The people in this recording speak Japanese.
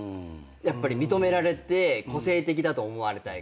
やっぱり認められて個性的だと思われたいから。